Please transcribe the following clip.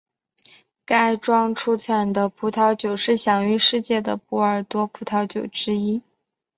该庄出产的葡萄酒是享誉世界的波尔多葡萄酒之一。